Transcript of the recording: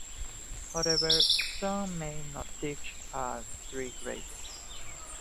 However, some may not teach all three grades.